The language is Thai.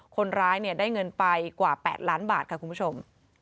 คนร้ายได้เงินไปกว่า๘ล้านบาทค่ะคุณผู้ชม